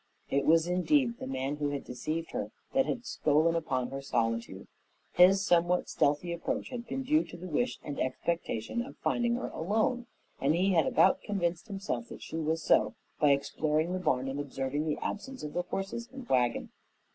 It was indeed the man who had deceived her that had stolen upon her solitude. His somewhat stealthy approach had been due to the wish and expectation of finding her alone, and he had about convinced himself that she was so by exploring the barn and observing the absence of the horses and wagon.